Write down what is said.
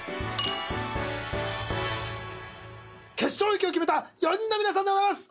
決勝行きを決めた４人の皆さんでございます！